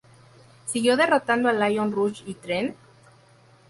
Siguió derrotando a Lio Rush y Trent?